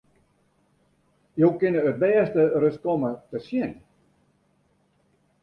Jo kinne it bêste ris komme te sjen!